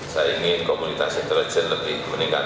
saya ingin komunitas intelijen lebih meningkat